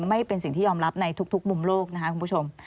ไม่เป็นสิ่งที่ยอมรับในทุกมุมโลกนะครับคุณผู้ชม